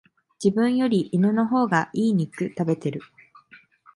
自分より犬の方が良い肉食べてる